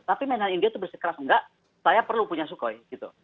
tapi manhunt india itu bersekeras enggak saya perlu punya sukhoi